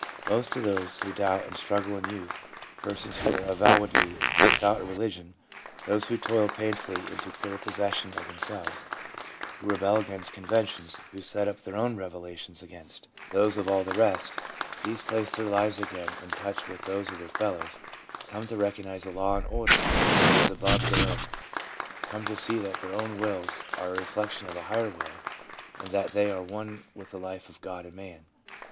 Most of those who doubt and struggle in youth, persons who are avowedly without a religion, those who toil painfully into clear possession of themselves, who rebel against conventions, who set up their own revelations against SOME EDUCATIONAL INFERENCES 415 those of all the rest — these place their lives again in touch with those of their fellows ; come to recognise a law and order that is above their own ; come to see that their own wills are a reflection of a higher will, and that they are one with the life of God and man.